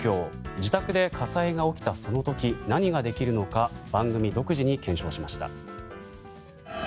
自宅で火災が起きたその時何ができるのか番組独自に検証しました。